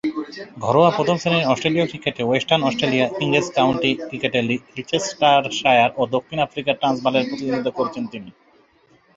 ঘরোয়া প্রথম-শ্রেণীর অস্ট্রেলীয় ক্রিকেটে ওয়েস্টার্ন অস্ট্রেলিয়া, ইংরেজ কাউন্টি ক্রিকেটে লিচেস্টারশায়ার ও দক্ষিণ আফ্রিকার ট্রান্সভালের প্রতিনিধিত্ব করেছেন তিনি।